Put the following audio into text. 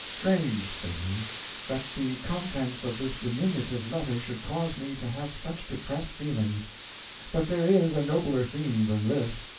"Strange," said he, "that the contents of this diminutive letter should cause me to have such depressed feelings; but there is a nobler theme than this.